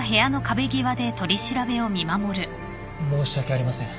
申し訳ありません。